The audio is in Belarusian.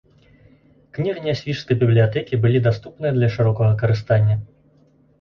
Кнігі нясвіжскай бібліятэкі былі даступныя для шырокага карыстання.